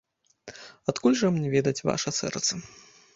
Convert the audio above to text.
Адкуль жа мне ведаць ваша сэрца?